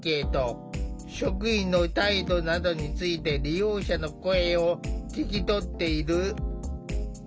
職員の態度などについて利用者の声を聞き取っている。